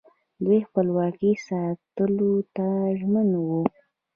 دوی خپلواکي ساتلو ته ژمن وو